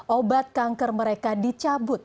obat kanker mereka dicabut